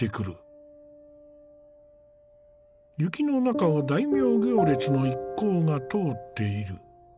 雪の中を大名行列の一行が通っている。